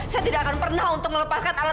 saya tidak akan pernah untuk mencintai dewi bu